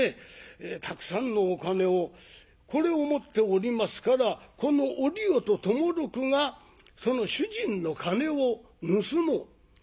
たくさんのお金をこれを持っておりますからこのおりよと友六がその主人の金を盗もう。